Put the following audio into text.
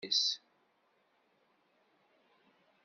Qqlent ɣer utinis.